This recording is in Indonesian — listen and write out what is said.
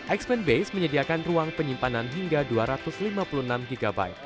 expen base menyediakan ruang penyimpanan hingga dua ratus lima puluh enam gb